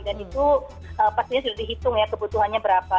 dan itu pastinya sudah dihitung ya kebutuhannya berapa